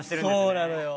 そうなのよ。